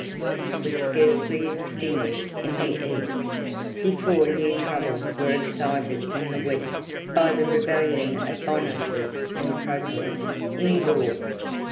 ] The revolt of Saturninus was scarcely extinguished in the East, before new troubles were excited in the West, by the rebellion of Bonosus and Proculus, in Gaul.